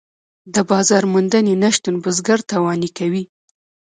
د بازار موندنې نشتون بزګر تاواني کوي.